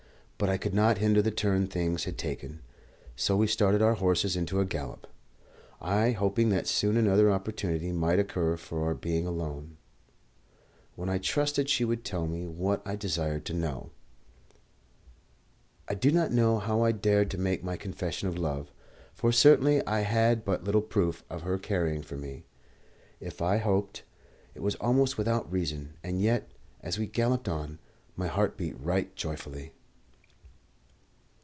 But I could not hinder the turn things had taken, so we started our horses into a gallop, I hoping that soon another opportunity might occur for our being alone, when I trusted she would tell me what I desired to know. I do not know how I dared to make my confession of love, for certainly I had but little proof of her caring for me. If I hoped, it was almost without reason; and yet, as we galloped on, my heart beat right joyfully.